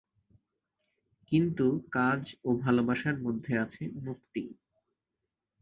কিন্তু কাজ ও ভালবাসার মধ্যে আছে মুক্তি।